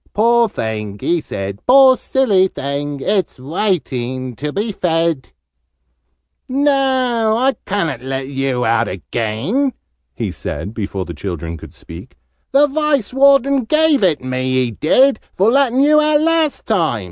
'Poor thing,' he said, 'poor silly thing! It's waiting to be fed!'" {Image...A bear without a head} "No, I ca'n't let you out again!" he said, before the children could speak. "The Vice warden gave it me, he did, for letting you out last time!